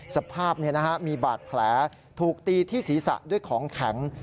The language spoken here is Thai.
สภาพมีบาดแผลถูกตีที่ศีรษะด้วยของแข็ง